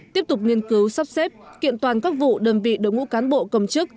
tiếp tục nghiên cứu sắp xếp kiện toàn các vụ đơn vị đồng hữu cán bộ công chức